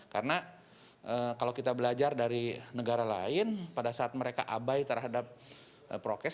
karena kalau kita belajar dari negara lain pada saat mereka abai terhadap prokes